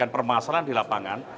permasalahan di lapangan